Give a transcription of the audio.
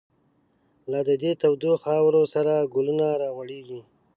لا د دی تودو خاورو، سره گلونه را غوړیږی